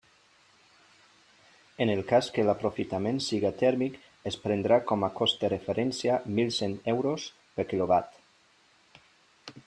En el cas que l'aprofitament siga tèrmic es prendrà com a cost de referència mil cent euros per quilovat.